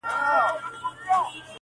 یو کارګه وو څه پنیر یې وو غلا کړی!